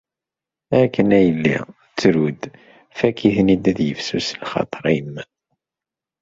Akken a yelli, ttru-d, fakk-iten-id ad yifsus lxaṭer-im.